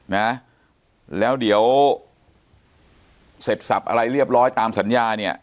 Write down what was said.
นะแล้วเดี๋ยวเสร็จสับอะไรเรียบร้อยตามสัญญาเนี่ย